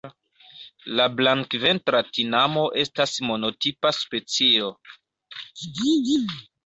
La Blankventra tinamo estas monotipa specio.